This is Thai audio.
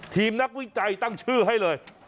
ทีมนักวิจัยตั้งชื่อให้เลย